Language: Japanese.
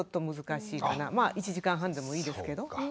まあ１時間半でもいいですけど。